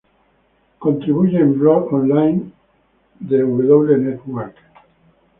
Él contribuye en blogs online de W Network.